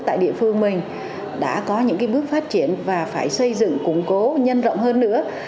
tại địa phương mình đã có những bước phát triển và phải xây dựng củng cố nhân rộng hơn nữa